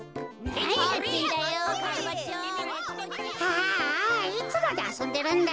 ああいつまであそんでるんだ。